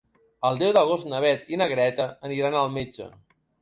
El deu d'agost na Beth i na Greta aniran al metge.